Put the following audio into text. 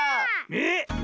えっ⁉